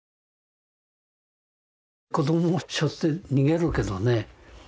子どもをしょって逃げるけどね